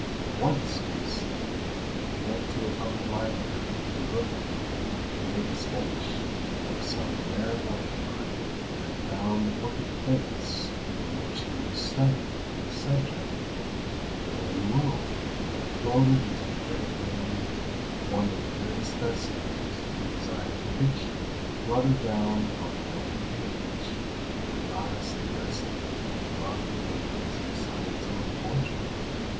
Once, it is said, he went to a public library in Brooklyn to make a sketch of some rare butterfly, and had found a book of plates from which he was studying his subject, when, lo! there floated into the great room one of the very specimens he desired to picture, fluttered down upon the open page, and at last rested with throbbing wings beside its own portrait.